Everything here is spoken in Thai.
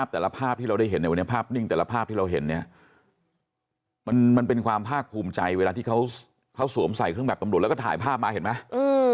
แต่ภาพที่เราเห็นเนี่ยมันเป็นความภาคภูมิใจเวลาที่เขาสวมใส่เครือแมบตำลวชแล้วก็ถ่ายภาพมาเห็นไหม